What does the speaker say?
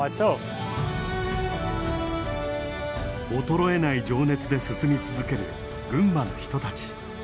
衰えない情熱で進み続ける群馬の人たち。